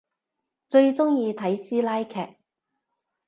最中意睇師奶劇